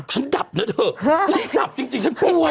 ฉันดับเนอะเถอะฉันดับจริงฉันโปรดเนอะ